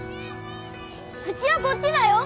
うちはこっちだよ！